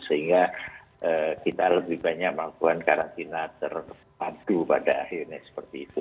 sehingga kita lebih banyak melakukan karantina terpadu pada akhirnya seperti itu